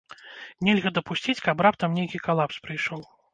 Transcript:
Нельга дапусціць, каб раптам нейкі калапс прыйшоў.